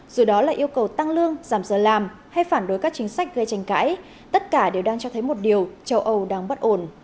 dù đó là yêu cầu tăng lương giảm giờ làm hay phản đối các chính sách gây tranh cãi tất cả đều đang cho thấy một điều châu âu đang bất ổn